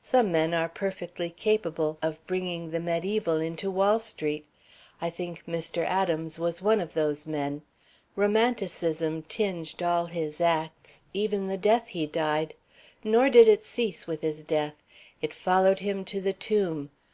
"Some men are perfectly capable of bringing the mediæval into Wall Street. I think Mr. Adams was one of those men. Romanticism tinged all his acts, even the death he died. Nor did it cease with his death. It followed him to the tomb.